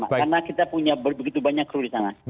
karena kita punya begitu banyak kerul di sana